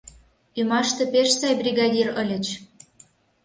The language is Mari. — Ӱмаште пеш сай бригадир ыльыч.